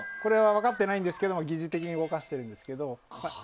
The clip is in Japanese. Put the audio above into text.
分かってないんですけど疑似的に動かしているんですが。